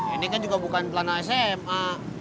ini kan juga bukan pelana sma